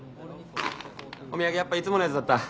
お土産やっぱいつものやつだった。